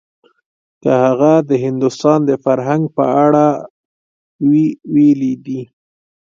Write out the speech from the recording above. که هغه د هندوستان د فرهنګ په اړه وی ويلي دي.